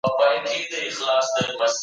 مادي او معنوي پرمختګ باید موازي پرمخ لاړ سي.